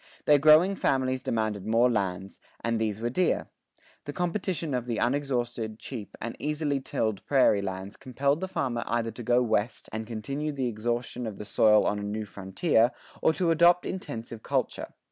Their growing families demanded more lands, and these were dear. The competition of the unexhausted, cheap, and easily tilled prairie lands compelled the farmer either to go west and continue the exhaustion of the soil on a new frontier, or to adopt intensive culture.